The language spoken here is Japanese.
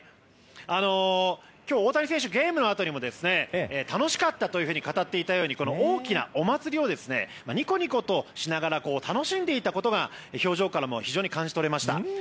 今日、大谷選手ゲームのあとにも楽しかったと語っていたように大きなお祭りをにこにことしながら楽しんでいたことが表情からも感じ取れました。